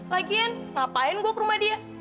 lagian ngapain gue ke rumah dia